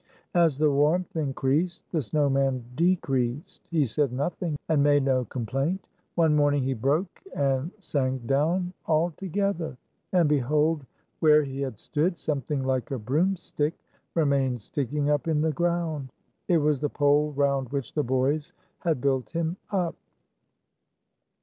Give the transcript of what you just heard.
As the warmth increased, the snow man decreased. He said nothing, and made no com plaint. One morning he broke, and sank down altogether; and, behold, where he had stood, something like a broomstick remained sticking up in the ground ! It was the pole round which the boys had built him up.